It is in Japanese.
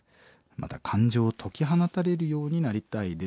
また感情を解き放たれるようになりたいです」。